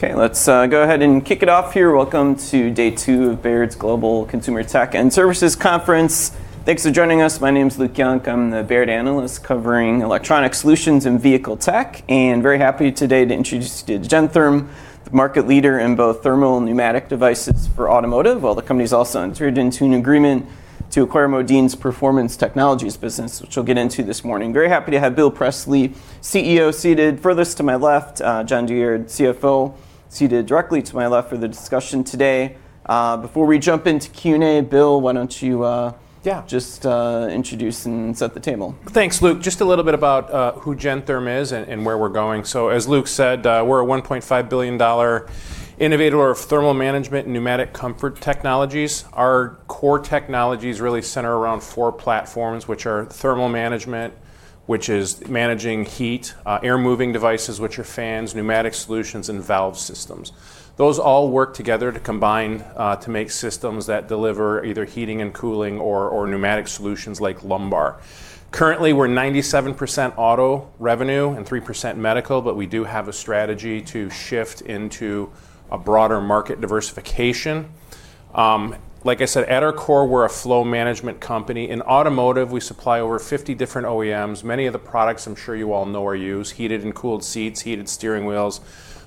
Okay, let's go ahead and kick it off here. Welcome to day two of Baird's Global Consumer, Technology & Services Conference. Thanks for joining us. My name's Luke Junk. I'm the Baird analyst covering electronic solutions and vehicle tech, and very happy today to introduce you to Gentherm, the market leader in both thermal and pneumatic devices for automotive, while the company's also entered into an agreement to acquire Modine's Performance Technologies business, which we'll get into this morning. Very happy to have Bill Presley, CEO, seated furthest to my left, Jon Douyard, CFO, seated directly to my left for the discussion today. Before we jump into Q&A, Bill, why don't you just introduce and set the table. Thanks, Luke. Just a little bit about who Gentherm is and where we're going. As Luke said, we're a $1.5 billion innovator of thermal management and pneumatic comfort technologies. Our core technologies really center around four platforms, which are thermal management, which is managing heat, air moving devices, which are fans, pneumatic solutions, and valve systems. Those all work together to combine to make systems that deliver either heating and cooling or pneumatic solutions like lumbar. Currently, we're 97% auto revenue and three percent medical, but we do have a strategy to shift into a broader market diversification. Like I said, at our core, we're a flow management company. In automotive, we supply over 50 different OEMs. Many of the products I'm sure you all know or use, heated and cooled seats, heated steering wheels,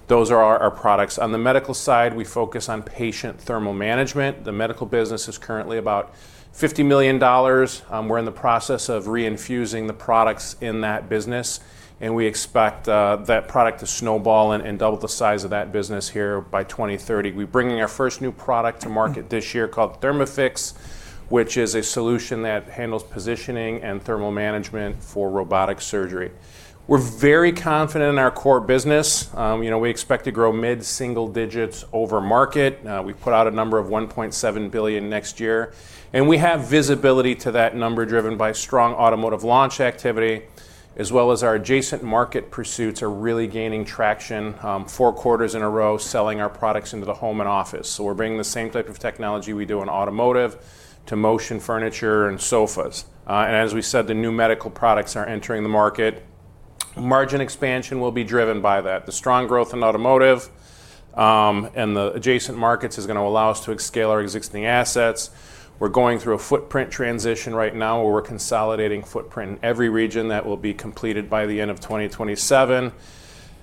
those are our products. On the medical side, we focus on patient thermal management. The medical business is currently about $50 million. We're in the process of reinfusing the products in that business, and we expect that product to snowball and double the size of that business here by 2030. We're bringing our first new product to market this year called ThermAffyx, which is a solution that handles positioning and thermal management for robotic surgery. We're very confident in our core business. We expect to grow mid-single digits over market. We put out a number of $1.7 billion next year, and we have visibility to that number driven by strong automotive launch activity, as well as our adjacent market pursuits are really gaining traction, four quarters in a row, selling our products into the home and office. We're bringing the same type of technology we do in automotive to motion furniture and sofas. As we said, the new medical products are entering the market. Margin expansion will be driven by that. The strong growth in automotive and the adjacent markets is going to allow us to scale our existing assets. We're going through a footprint transition right now, where we're consolidating footprint in every region. That will be completed by the end of 2027.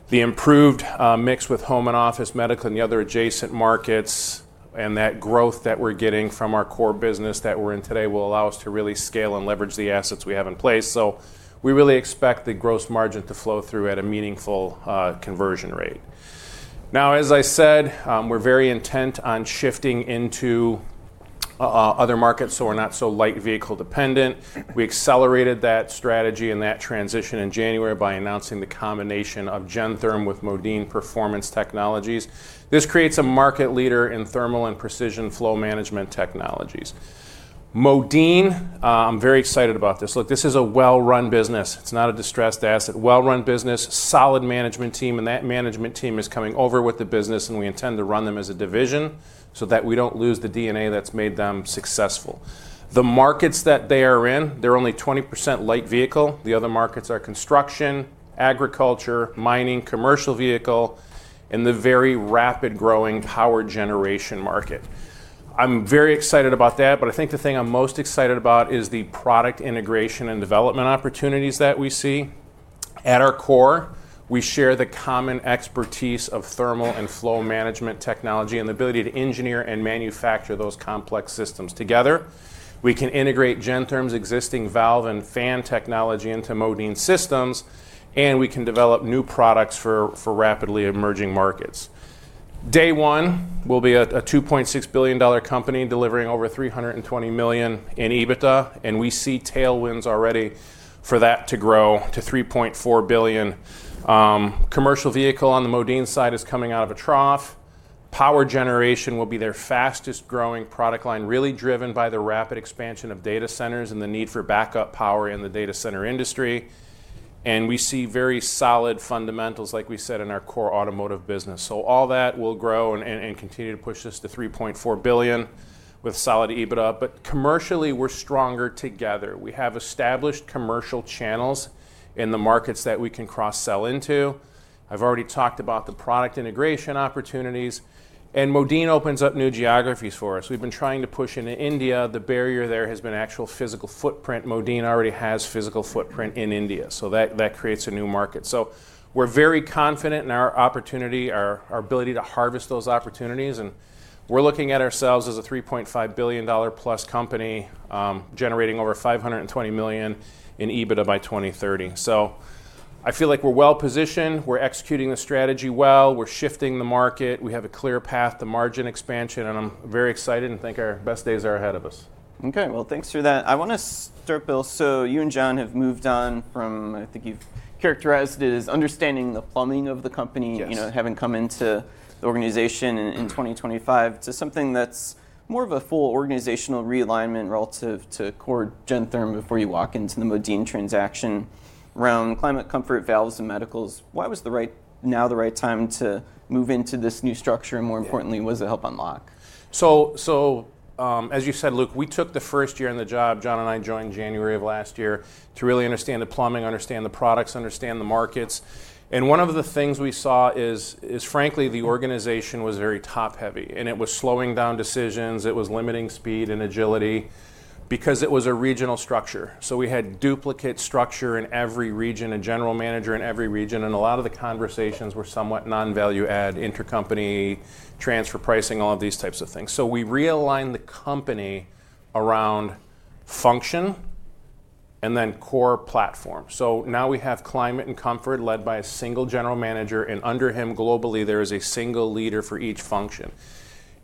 The improved mix with home and office, medical, and the other adjacent markets, and that growth that we're getting from our core business that we're in today will allow us to really scale and leverage the assets we have in place. We really expect the gross margin to flow through at a meaningful conversion rate. Now, as I said, we're very intent on shifting into other markets, so we're not so light vehicle dependent. We accelerated that strategy and that transition in January by announcing the combination of Gentherm with Modine Performance Technologies. This creates a market leader in thermal and precision flow management technologies. Modine, I'm very excited about this. Look, this is a well-run business. It's not a distressed asset. Well-run business, solid management team, and that management team is coming over with the business, and we intend to run them as a division so that we don't lose the DNA that's made them successful. The markets that they are in, they're only 20% light vehicle. The other markets are construction, agriculture, mining, commercial vehicle, and the very rapid growing power generation market. I'm very excited about that. I think the thing I'm most excited about is the product integration and development opportunities that we see. At our core, we share the common expertise of thermal and flow management technology and the ability to engineer and manufacture those complex systems. Together, we can integrate Gentherm's existing valve and fan technology into Modine systems, and we can develop new products for rapidly emerging markets. Day one, we'll be a $2.6 billion company delivering over $320 million in EBITDA, and we see tailwinds already for that to grow to $3.4 billion. Commercial vehicle on the Modine side is coming out of a trough. Power generation will be their fastest-growing product line, really driven by the rapid expansion of data centers and the need for backup power in the data center industry. We see very solid fundamentals, like we said, in our core automotive business. All that will grow and continue to push us to $3.4 billion with solid EBITDA. Commercially, we're stronger together. We have established commercial channels in the markets that we can cross-sell into. I've already talked about the product integration opportunities. Modine opens up new geographies for us. We've been trying to push into India. The barrier there has been actual physical footprint. Modine already has physical footprint in India. That creates a new market. We're very confident in our opportunity, our ability to harvest those opportunities. We're looking at ourselves as a $3.5 billion-plus company, generating over $520 million in EBITDA by 2030. I feel like we're well-positioned. We're executing the strategy well. We're shifting the market. We have a clear path to margin expansion, and I'm very excited and think our best days are ahead of us. Okay. Well, thanks for that. I want to start, Bill, you and Jon have moved on from, I think you've characterized it as understanding the plumbing of the company. Yes having come into the organization in 2025, to something that's more of a full organizational realignment relative to core Gentherm before you walk into the Modine transaction around climate comfort, valves, and medicals. Why was now the right time to move into this new structure? More importantly, what does it help unlock? As you said, Luke, we took the first year on the job, Jon and I joined January of last year, to really understand the plumbing, understand the products, understand the markets. One of the things we saw is frankly, the organization was very top-heavy, and it was slowing down decisions. It was limiting speed and agility. Because it was a regional structure, we had duplicate structure in every region, a general manager in every region, and a lot of the conversations were somewhat non-value-add, intercompany transfer pricing, all of these types of things. We realigned the company around function and then core platform. Now we have Climate and Comfort led by a single general manager, and under him globally, there is a single leader for each function.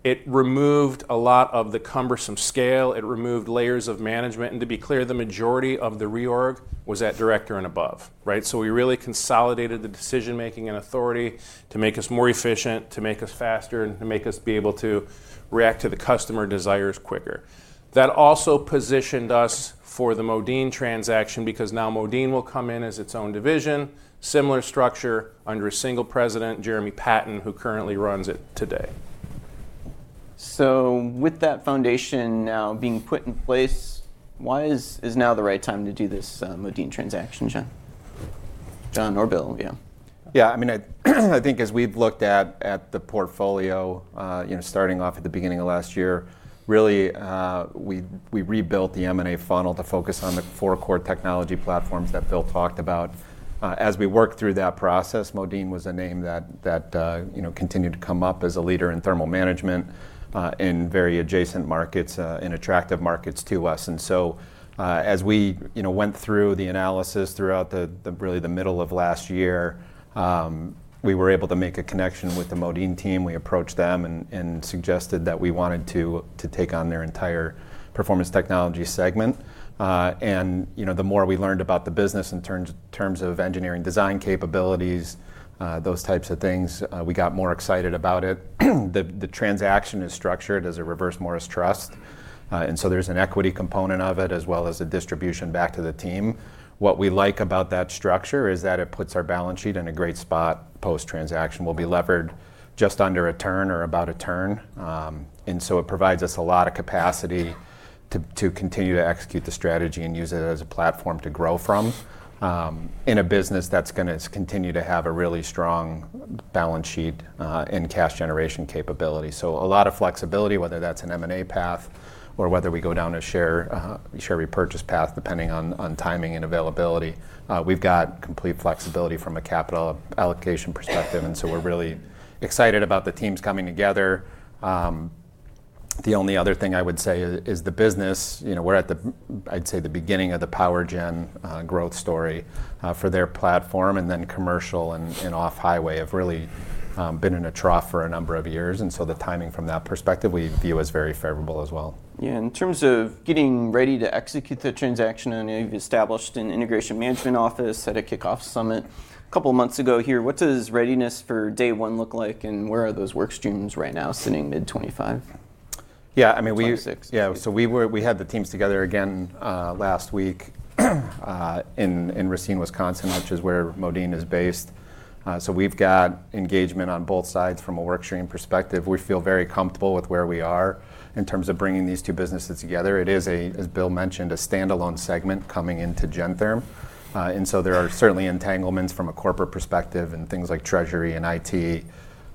It removed a lot of the cumbersome scale. It removed layers of management. To be clear, the majority of the reorg was at director and above. We really consolidated the decision making and authority to make us more efficient, to make us faster, and to make us be able to react to the customer desires quicker. That also positioned us for the Modine transaction because now Modine will come in as its own division, similar structure under a single president, Jeremy Patten, who currently runs it today. With that foundation now being put in place, why is now the right time to do this Modine transaction, Jon? Jon or Bill, yeah. Yeah. I think as we've looked at the portfolio, starting off at the beginning of last year, really, we rebuilt the M&A funnel to focus on the four core technology platforms that Bill talked about. As we worked through that process, Modine was a name that continued to come up as a leader in thermal management, in very adjacent markets, in attractive markets to us. As we went through the analysis throughout the middle of last year, we were able to make a connection with the Modine team. We approached them and suggested that we wanted to take on their entire Performance Technologies segment. The more we learned about the business in terms of engineering design capabilities, those types of things, we got more excited about it. The transaction is structured as a Reverse Morris Trust. There's an equity component of it, as well as a distribution back to the team. What we like about that structure is that it puts our balance sheet in a great spot post-transaction. We'll be levered just under a turn or about a turn. It provides us a lot of capacity to continue to execute the strategy and use it as a platform to grow from in a business that's going to continue to have a really strong balance sheet, and cash generation capability. A lot of flexibility, whether that's an M&A path or whether we go down a share repurchase path, depending on timing and availability. We've got complete flexibility from a capital allocation perspective, we're really excited about the teams coming together. The only other thing I would say is the business, we're at the beginning of the power gen growth story for their platform, and then commercial and off-highway have really been in a trough for a number of years. The timing from that perspective, we view as very favorable as well. Yeah. In terms of getting ready to execute the transaction, I know you've established an integration management office, had a kickoff summit a couple of months ago here. What does readiness for day one look like, and where are those work streams right now sitting mid 2025? Yeah. We had the teams together again last week in Racine, Wisconsin, which is where Modine is based. We've got engagement on both sides from a work stream perspective. We feel very comfortable with where we are in terms of bringing these two businesses together. It is, as Bill mentioned, a standalone segment coming into Gentherm. There are certainly entanglements from a corporate perspective and things like treasury and IT,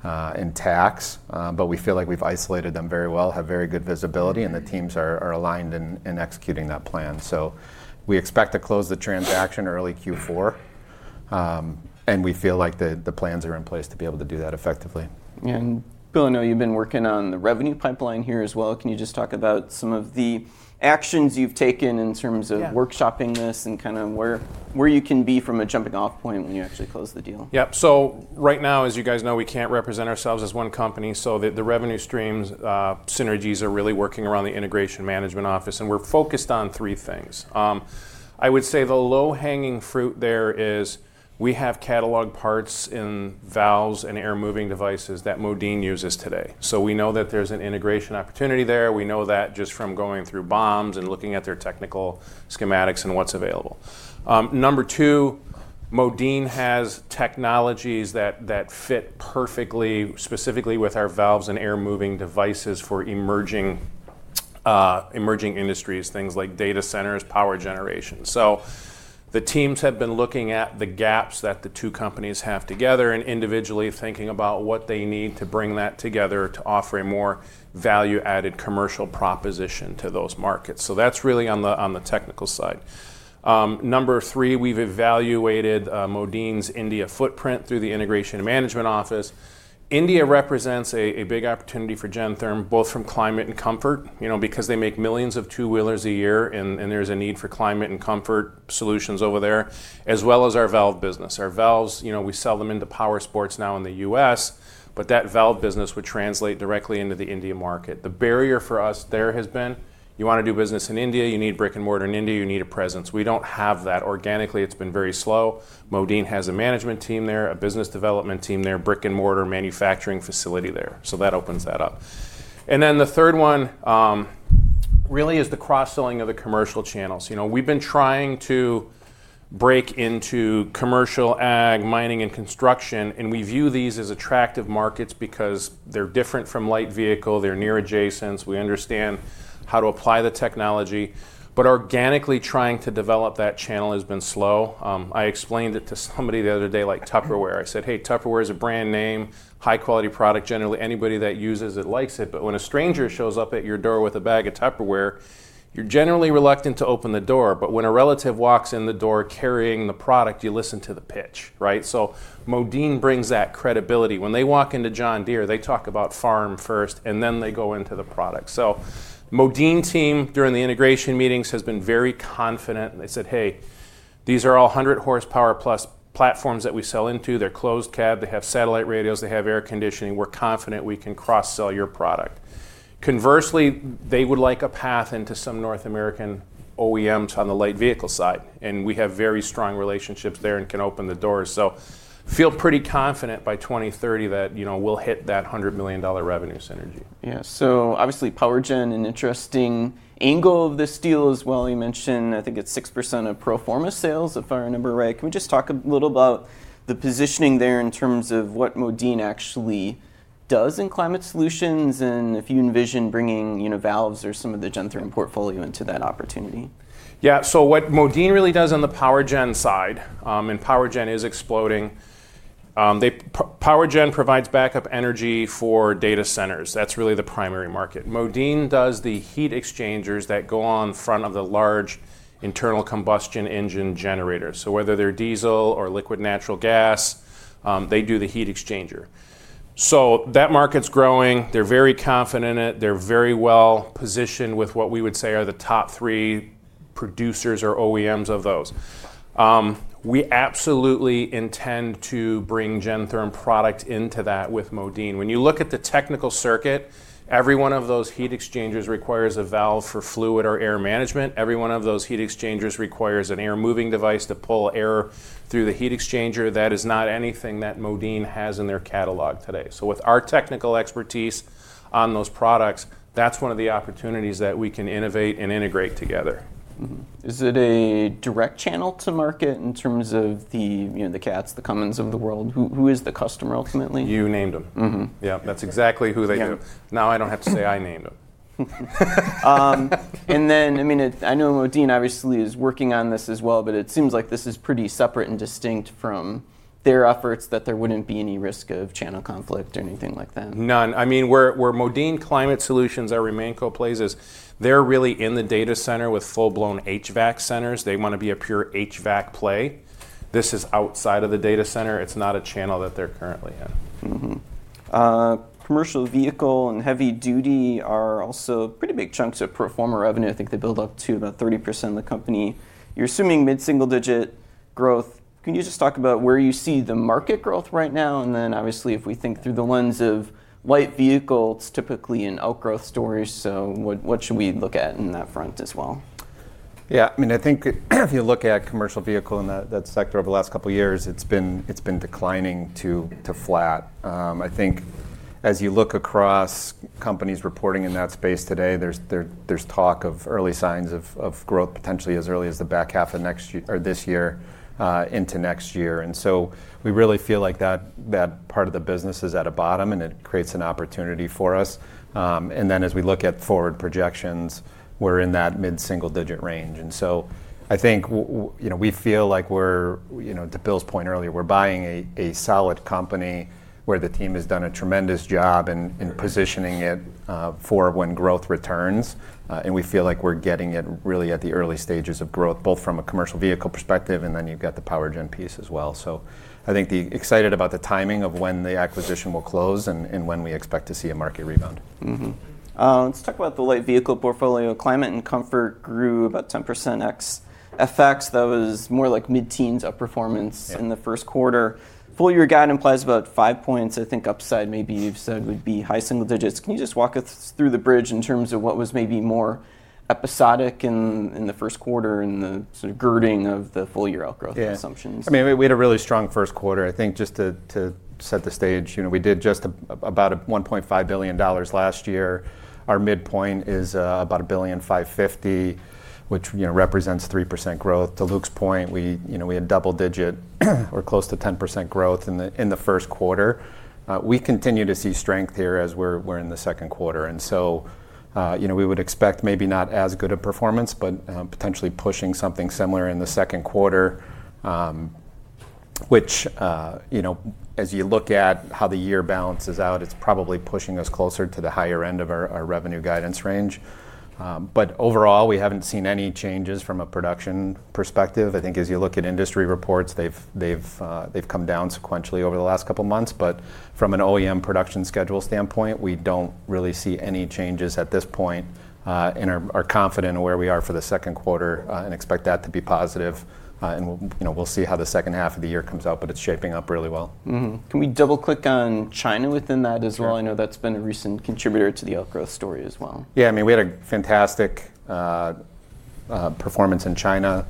and tax. We feel like we've isolated them very well, have very good visibility, and the teams are aligned in executing that plan. We expect to close the transaction early Q4, and we feel like the plans are in place to be able to do that effectively. Bill, I know you've been working on the revenue pipeline here as well. Can you just talk about some of the actions you've taken? Yeah workshopping this and where you can be from a jumping off point when you actually close the deal? Yep. Right now, as you guys know, we can't represent ourselves as one company, the revenue streams synergies are really working around the integration management office, and we're focused on three things. I would say the low-hanging fruit there is we have catalog parts and valves and air moving devices that Modine uses today. We know that there's an integration opportunity there. We know that just from going through BOMs and looking at their technical schematics and what's available. Number two, Modine has technologies that fit perfectly, specifically with our valves and air moving devices for emerging industries, things like data centers, power generation. The teams have been looking at the gaps that the two companies have together and individually thinking about what they need to bring that together to offer a more value-added commercial proposition to those markets. That's really on the technical side. Number three, we've evaluated Modine's India footprint through the integration management office. India represents a big opportunity for Gentherm, both from climate and comfort, because they make millions of two-wheelers a year, and there's a need for climate and comfort solutions over there, as well as our valve business. Our valves, we sell them into power sports now in the U.S., but that valve business would translate directly into the India market. The barrier for us there has been, you want to do business in India, you need brick and mortar. In India, you need a presence. We don't have that organically. It's been very slow. Modine has a management team there, a business development team there, brick and mortar manufacturing facility there. That opens that up. The third one, really is the cross-selling of the commercial channels. We've been trying to break into commercial ag, mining, and construction. We view these as attractive markets because they're different from light vehicle. They're near adjacents. We understand how to apply the technology. Organically trying to develop that channel has been slow. I explained it to somebody the other day like Tupperware. I said, "Hey, Tupperware is a brand name, high quality product. Generally, anybody that uses it likes it. When a stranger shows up at your door with a bag of Tupperware, you're generally reluctant to open the door. When a relative walks in the door carrying the product, you listen to the pitch." Right? Modine brings that credibility. When they walk into John Deere, they talk about farm first. Then they go into the product. Modine team, during the integration meetings, has been very confident, and they said, "Hey, these are all 100 horsepower plus platforms that we sell into. They're closed cab, they have satellite radios, they have air conditioning. We're confident we can cross-sell your product." Conversely, they would like a path into some North American OEMs on the light vehicle side, and we have very strong relationships there and can open the doors. Feel pretty confident by 2030 that we'll hit that $100 million revenue synergy. Yeah. Obviously, power gen an interesting angle of this deal as well. You mentioned, I think it's six percent of pro forma sales if our number right. Can we just talk a little about the positioning there in terms of what Modine actually does in Climate Solutions and if you envision bringing valves or some of the Gentherm portfolio into that opportunity? Yeah. What Modine really does on the power gen side, and power gen is exploding, power gen provides backup energy for data centers. That's really the primary market. Modine does the heat exchangers that go on front of the large internal combustion engine generators. Whether they're diesel or liquid natural gas, they do the heat exchanger. That market's growing. They're very confident in it. They're very well positioned with what we would say are the top three producers or OEMs of those. We absolutely intend to bring Gentherm product into that with Modine. When you look at the technical circuit, every one of those heat exchangers requires a valve for fluid or air management. Every one of those heat exchangers requires an air moving device to pull air through the heat exchanger. That is not anything that Modine has in their catalog today. With our technical expertise on those products, that's one of the opportunities that we can innovate and integrate together. Mm-hmm. Is it a direct channel to market in terms of the Caterpillar, the Cummins of the world? Who is the customer ultimately? You named them. Yeah, that's exactly who they do. Yeah. Now I don't have to say I named them. I know Modine obviously is working on this as well, but it seems like this is pretty separate and distinct from their efforts, that there wouldn't be any risk of channel conflict or anything like that. None. Where Modine Climate Solutions or Remanco plays is they're really in the data center with full-blown HVAC centers. They want to be a pure HVAC play. This is outside of the data center. It's not a channel that they're currently in. Commercial vehicle and heavy duty are also pretty big chunks of pro forma revenue. I think they build up to about 30% of the company. You're assuming mid-single-digit growth. Can you just talk about where you see the market growth right now? Obviously, if we think through the lens of light vehicles, typically an outgrowth story, so what should we look at in that front as well? Yeah. I think if you look at commercial vehicle and that sector over the last couple of years, it's been declining to flat. I think as you look across companies reporting in that space today, there's talk of early signs of growth potentially as early as the back half of this year into next year. We really feel like that part of the business is at a bottom, and it creates an opportunity for us. As we look at forward projections, we're in that mid-single digit range. I think we feel like we're, to Bill Presley's point earlier, we're buying a solid company where the team has done a tremendous job in positioning it for when growth returns. We feel like we're getting it really at the early stages of growth, both from a commercial vehicle perspective, and then you've got the power gen piece as well. I think excited about the timing of when the acquisition will close and when we expect to see a market rebound. Let's talk about the light vehicle portfolio. Climate and comfort grew about 10% ex FX. That was more like mid-teens outperformance in the first quarter. Full-year guide implies about five points, I think upside maybe you've said would be high single digits. Can you just walk us through the bridge in terms of what was maybe more episodic in the first quarter and the sort of girding of the full year outgrowth assumptions? Yeah. We had a really strong first quarter. I think just to set the stage, we did just about $1.5 billion last year. Our midpoint is about $1.550 billion, which represents three percent growth. To Luke's point, we had double digit or close to 10% growth in the first quarter. We continue to see strength here as we're in the second quarter, so we would expect maybe not as good a performance, but potentially pushing something similar in the second quarter, which as you look at how the year balances out, it's probably pushing us closer to the higher end of our revenue guidance range. Overall, we haven't seen any changes from a production perspective. I think as you look at industry reports, they've come down sequentially over the last couple of months. From an OEM production schedule standpoint, we don't really see any changes at this point, and are confident in where we are for the second quarter and expect that to be positive. We'll see how the second half of the year comes out, but it's shaping up really well. Can we double-click on China within that as well? I know that's been a recent contributor to the outgrowth story as well. Yeah, we had a fantastic performance in China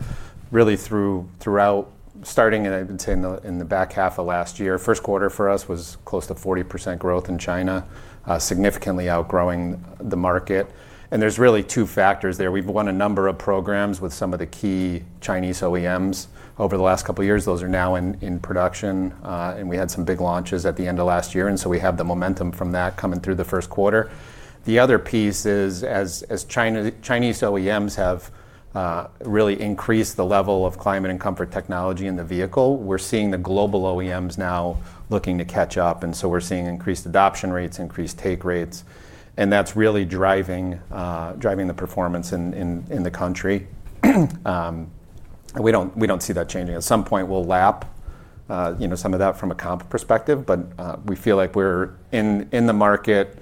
really throughout starting, I'd say, in the back half of last year. First quarter for us was close to 40% growth in China, significantly outgrowing the market. There's really two factors there. We've won a number of programs with some of the key Chinese OEMs over the last couple of years. Those are now in production. We had some big launches at the end of last year, and so we have the momentum from that coming through the first quarter. The other piece is as Chinese OEMs have really increased the level of climate and comfort technology in the vehicle, we're seeing the global OEMs now looking to catch up, and so we're seeing increased adoption rates, increased take rates, and that's really driving the performance in the country. We don't see that changing. At some point, we'll lap some of that from a comp perspective, but we feel like we're in the market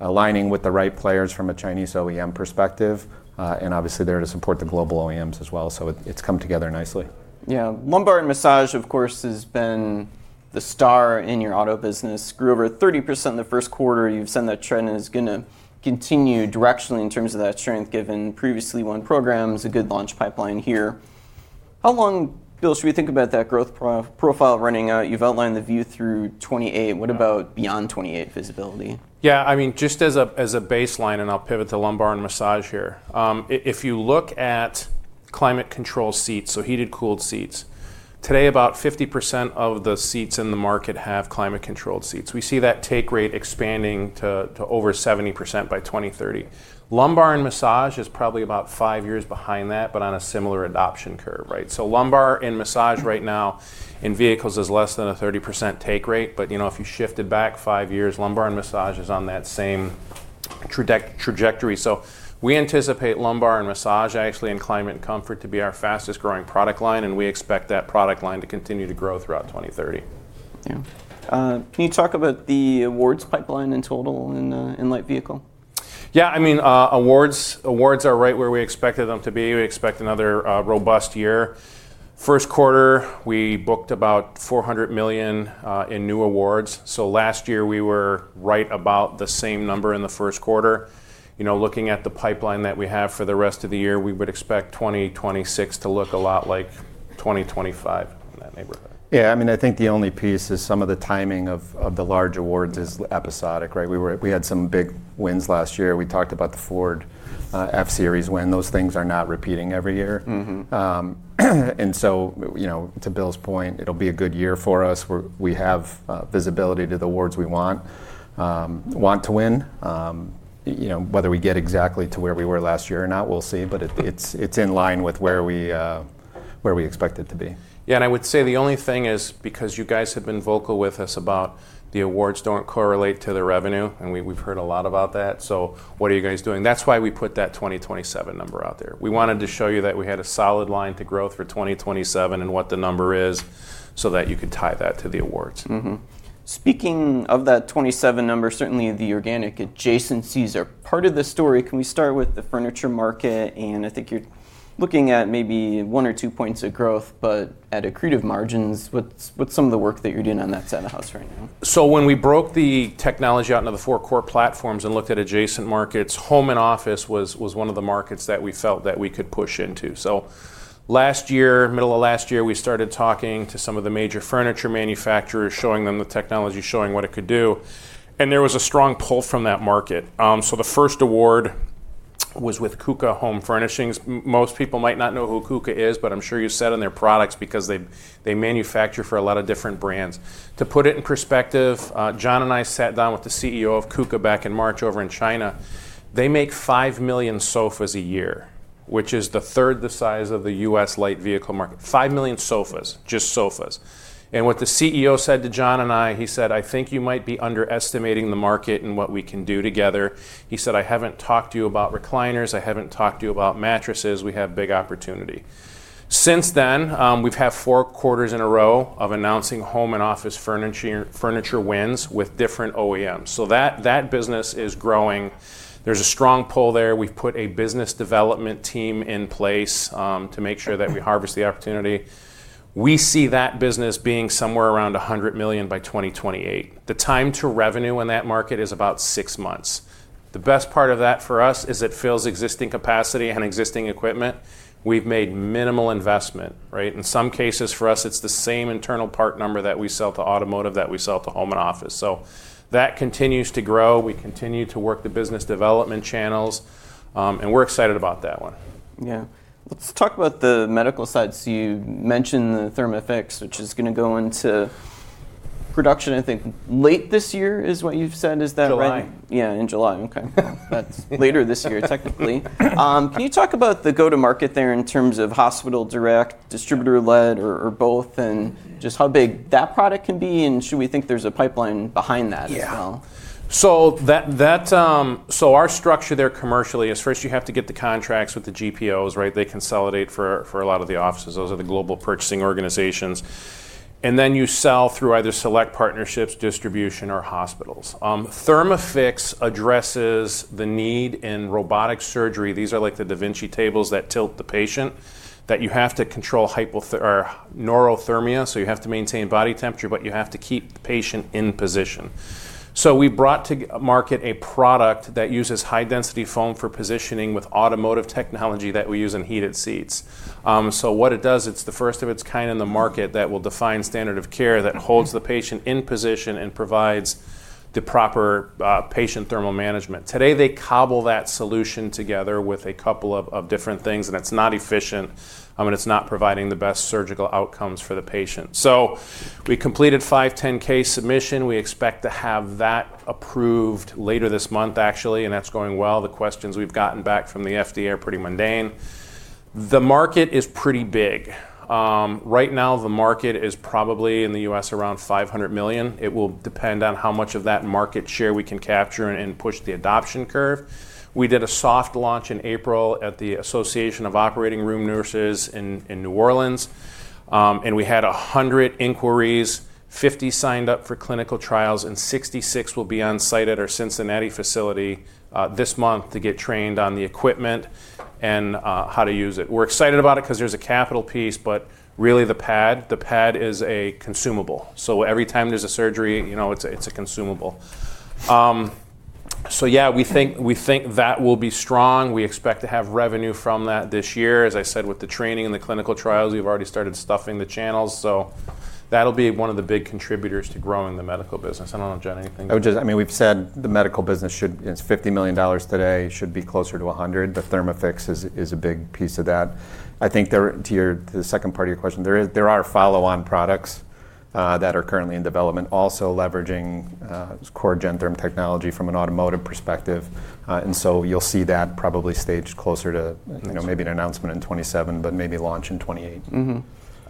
aligning with the right players from a Chinese OEM perspective, and obviously there to support the global OEMs as well. It's come together nicely. Yeah. Lumbar and massage, of course, has been the star in your auto business, grew over 30% in the first quarter. You've said that trend is going to continue directionally in terms of that strength given previously won programs, a good launch pipeline here. How long, Bill, should we think about that growth profile running out? You've outlined the view through 2028. What about beyond 2028 visibility? Yeah, just as a baseline, and I'll pivot to lumbar and massage here. If you look at climate control seats, so heated/cooled seats, today about 50% of the seats in the market have climate controlled seats. We see that take rate expanding to over 70% by 2030. Lumbar and massage is probably about five years behind that, on a similar adoption curve. Lumbar and massage right now in vehicles is less than a 30% take rate. If you shifted back five years, lumbar and massage is on that same trajectory. We anticipate lumbar and massage, actually, and climate and comfort to be our fastest-growing product line, and we expect that product line to continue to grow throughout 2030. Yeah. Can you talk about the awards pipeline in total in light vehicle? Yeah. Awards are right where we expected them to be. We expect another robust year. First quarter, we booked about $400 million in new awards. Last year, we were right about the same number in the first quarter. Looking at the pipeline that we have for the rest of the year, we would expect 2026 to look a lot like 2025, in that neighborhood. Yeah. I think the only piece is some of the timing of the large awards is episodic. We had some big wins last year. We talked about the Ford F-Series win. Those things are not repeating every year. To Bill's point, it'll be a good year for us, where we have visibility to the awards we want to win. Whether we get exactly to where we were last year or not, we'll see, but it's in line with where we expect it to be. Yeah, I would say the only thing is, because you guys have been vocal with us about the awards don't correlate to the revenue, and we've heard a lot about that, so what are you guys doing? That's why we put that 2027 number out there. We wanted to show you that we had a solid line to growth for 2027 and what the number is so that you could tie that to the awards. Speaking of that 2027 number, certainly the organic adjacencies are part of the story. Can we start with the furniture market? I think you're looking at maybe one or two points of growth, but at accretive margins. What's some of the work that you're doing on that side of the house right now? When we broke the technology out into the four core platforms and looked at adjacent markets, home and office was one of the markets that we felt that we could push into. Last year, middle of last year, we started talking to some of the major furniture manufacturers, showing them the technology, showing what it could do, and there was a strong pull from that market. The first award was with KUKA HOME. Most people might not know who KUKA is, but I'm sure you've sat on their products because they manufacture for a lot of different brands. To put it in perspective, Jon and I sat down with the CEO of KUKA back in March over in China. They make five million sofas a year, which is the third the size of the U.S. light vehicle market. five million sofas, just sofas. What the CEO said to Jon and I, he said, "I think you might be underestimating the market and what we can do together." He said, "I haven't talked to you about recliners. I haven't talked to you about mattresses. We have big opportunity." Since then, we've had four quarters in a row of announcing home and office furniture wins with different OEMs. That business is growing. There's a strong pull there. We've put a business development team in place to make sure that we harvest the opportunity. We see that business being somewhere around $100 million by 2028. The time to revenue in that market is about six months. The best part of that for us is it fills existing capacity and existing equipment. We've made minimal investment. In some cases, for us, it's the same internal part number that we sell to automotive that we sell to home and office. That continues to grow. We continue to work the business development channels, and we're excited about that one. Yeah. Let's talk about the medical side. You mentioned the ThermAffyx, which is going to go into production, I think, late this year is what you've said. Is that right? July. Yeah, in July. Okay. That's later this year, technically. Can you talk about the go-to-market there in terms of hospital direct, distributor led, or both, and just how big that product can be, and should we think there's a pipeline behind that as well? Yeah. Our structure there commercially is first you have to get the contracts with the GPOs. They consolidate for a lot of the offices. Those are the Group Purchasing Organizations. You sell through either select partnerships, distribution, or hospitals. ThermAffyx addresses the need in robotic surgery. These are like the da Vinci tables that tilt the patient, that you have to control normothermia, so you have to maintain body temperature, but you have to keep the patient in position. We brought to market a product that uses high-density foam for positioning with automotive technology that we use in heated seats. What it does, it's the first of its kind in the market that will define standard of care that holds the patient in position and provides the proper patient thermal management. Today, they cobble that solution together with a couple of different things, and it's not efficient, and it's not providing the best surgical outcomes for the patient. We completed 510(k) submission. We expect to have that approved later this month, actually, and that's going well. The questions we've gotten back from the FDA are pretty mundane. The market is pretty big. Right now the market is probably in the U.S. around $500 million. It will depend on how much of that market share we can capture and push the adoption curve. We did a soft launch in April at the Association of periOperative Registered Nurses in New Orleans, and we had 100 inquiries, 50 signed up for clinical trials, and 66 will be on-site at our Cincinnati facility this month to get trained on the equipment and how to use it. We're excited about it because there's a capital piece, but really the pad, the pad is a consumable. Every time there's a surgery, it's a consumable. Yeah, we think that will be strong. We expect to have revenue from that this year. As I said, with the training and the clinical trials, we've already started stuffing the channels. That'll be one of the big contributors to growing the medical business. I don't know, Jon, anything. I mean, we've said the medical business should, it's $50 million today, should be closer to 100. The ThermAffyx is a big piece of that. I think to the second part of your question, there are follow-on products that are currently in development, also leveraging core Gentherm technology from an automotive perspective. You'll see that probably staged closer to maybe an announcement in 2027, but maybe launch in 2028.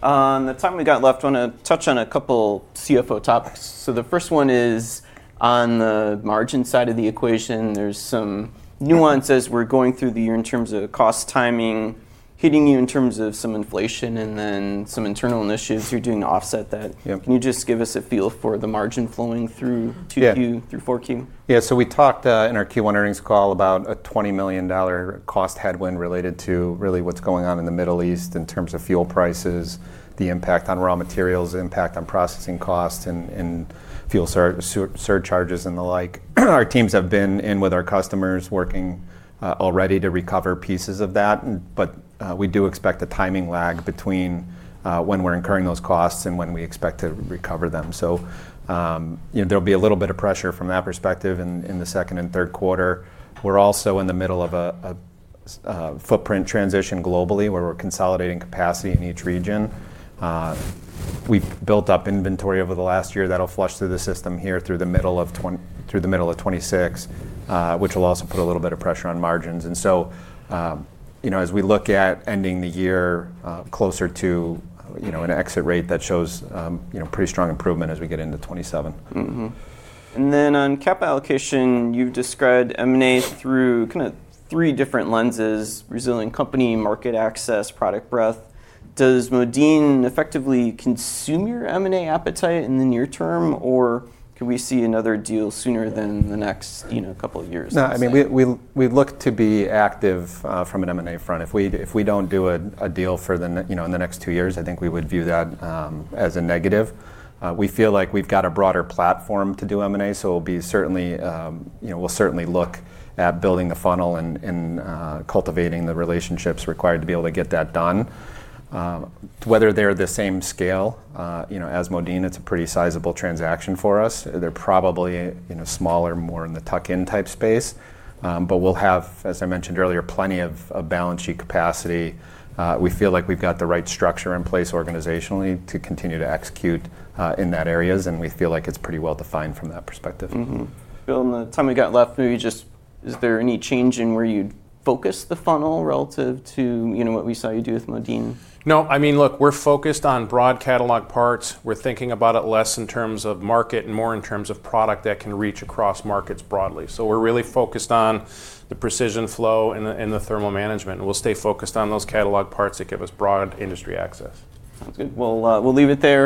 On the time we got left, want to touch on a couple CFO topics. The first one is on the margin side of the equation, there's some nuance as we're going through the year in terms of cost timing, hitting you in terms of some inflation, and then some internal initiatives you're doing to offset that. Yep. Can you just give us a feel for the margin flowing through? 2Q through 4Q? Yeah, we talked in our Q1 earnings call about a $20 million cost headwind related to really what's going on in the Middle East in terms of fuel prices, the impact on raw materials, the impact on processing costs and fuel surcharges, and the like. We do expect a timing lag between when we're incurring those costs and when we expect to recover them. There'll be a little bit of pressure from that perspective in the second and third quarter. We're also in the middle of a footprint transition globally, where we're consolidating capacity in each region. We've built up inventory over the last year that'll flush through the system here through the middle of 2026, which will also put a little bit of pressure on margins. As we look at ending the year closer to an exit rate, that shows pretty strong improvement as we get into 2027. On cap allocation, you've described M&A through three different lenses, resilient company, market access, product breadth. Does Modine effectively consume your M&A appetite in the near term, or could we see another deal sooner than the next couple of years? No, I mean, we look to be active from an M&A front. If we don't do a deal in the next two years, I think we would view that as a negative. We feel like we've got a broader platform to do M&A. We'll certainly look at building the funnel and cultivating the relationships required to be able to get that done. Whether they're the same scale as Modine, it's a pretty sizable transaction for us. They're probably smaller, more in the tuck-in type space. We'll have, as I mentioned earlier, plenty of balance sheet capacity. We feel like we've got the right structure in place organizationally to continue to execute in that areas, and we feel like it's pretty well-defined from that perspective. Bill, in the time we got left, is there any change in where you'd focus the funnel relative to what we saw you do with Modine? No, I mean, look, we're focused on broad catalog parts. We're thinking about it less in terms of market and more in terms of product that can reach across markets broadly. We're really focused on the precision flow and the thermal management, and we'll stay focused on those catalog parts that give us broad industry access. Sounds good. We'll leave it there.